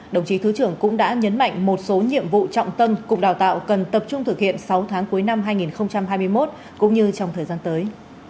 đồng chí thứ trưởng cũng đã nhấn mạnh một số nhiệm vụ trọng tâm cục đào tạo cần tập trung thực hiện sáu tháng cuối năm hai nghìn hai mươi một cũng như trong thời gian tới